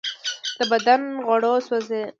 د بدن غوړو سوځول.